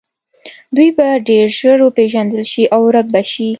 دوی به ډیر ژر وپیژندل شي او ورک به شي